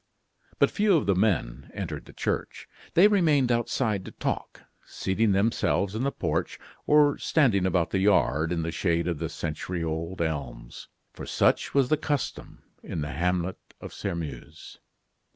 But few of the men entered the church. They remained outside to talk, seating themselves in the porch, or standing about the yard, in the shade of the century old elms. For such was the custom in the hamlet of Sairmeuse.